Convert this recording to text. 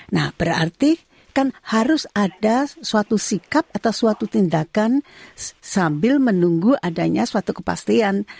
nah berarti kan harus ada suatu sikap atau suatu tindakan sambil menunggu adanya suatu kepastian